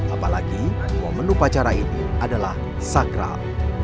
apalagi momen upacara ini adalah sakral